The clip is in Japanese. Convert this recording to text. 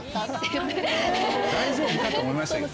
大丈夫かって思いましたけどね。